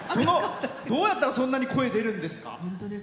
どうやったらそんなに声、出るんですか？